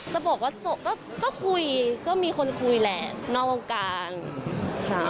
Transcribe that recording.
จะบอกว่าก็คุยก็มีคนคุยแหละนอกวงการค่ะ